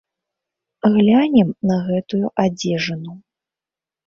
Глянем на гэтую адзежыну.